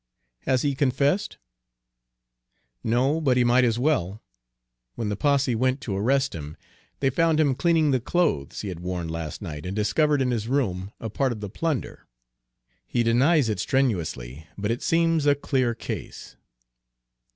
"Has he confessed?" "No, but he might as well. When the posse went to arrest him, they found him cleaning the clothes he had worn last night, and discovered in his room a part of the plunder. He denies it strenuously, but it seems a clear case."